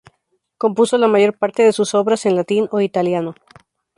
Compuso la mayor parte de sus obras en latín o en italiano.